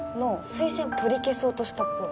推薦取り消そうとしたっぽい